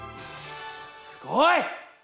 すごい！